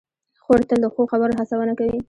خور تل د ښو خبرو هڅونه کوي.